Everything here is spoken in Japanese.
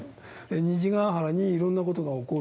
虹ヶ原にいろんな事が起こる。